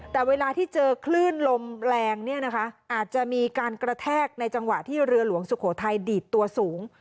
แต่เวลาที่เจอคลื่นลมแรงเนี่ยนะคะอาจจะมีการกระแทกในจังหวะที่เรือหลวงสุโขทัยดีดตัวสูง